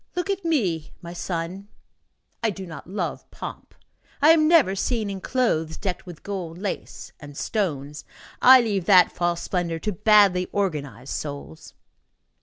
Look at me, my son. I do not love pomp. I am never seen in clothes decked with gold lace and stones; I leave that false splendor to badly organized souls."